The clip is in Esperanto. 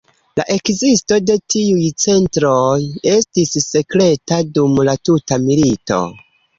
La ekzisto de tiuj centroj estis sekreta dum la tuta milito.